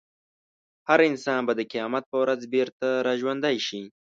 هر انسان به د قیامت په ورځ بېرته راژوندی شي.